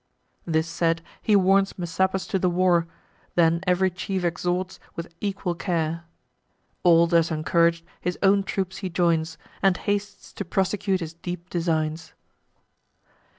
This said, he warns Messapus to the war, Then ev'ry chief exhorts with equal care. All thus encourag'd, his own troops he joins, And hastes to prosecute his deep designs.